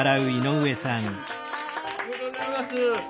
おめでとうございます。